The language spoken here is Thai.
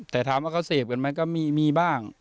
แต่ถามว่าเขาเสพกันไหมก็มีบ้าง